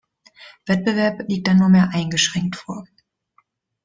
Wettbewerb liegt dann nur mehr eingeschränkt vor.